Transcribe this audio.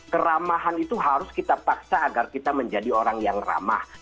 keramahan itu harus kita paksa agar kita menjadi orang yang ramah